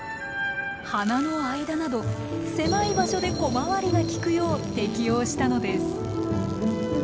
花の間など狭い場所で小回りがきくよう適応したのです。